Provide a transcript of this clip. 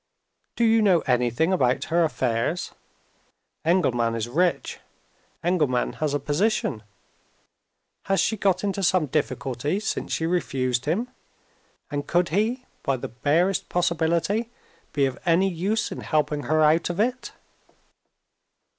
Do you know anything about her affairs? Engelman is rich; Engelman has a position. Has she got into some difficulty since she refused him? and could he, by the barest possibility, be of any use in helping her out of it?"